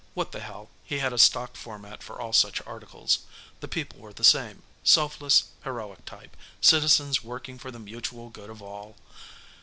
What the hell, he had a stock format for all such articles. The people were the same: selfless, heroic type, citizens working for the mutual good of all.